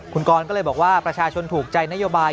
คุณกรก็เลยบอกว่าประชาชนถูกใจนโยบาย